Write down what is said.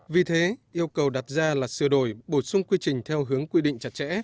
vì thế yêu cầu đặt ra là sửa đổi bổ sung quy trình theo hướng quy định chặt chẽ